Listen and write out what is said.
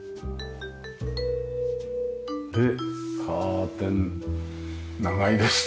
でカーテン長いですね。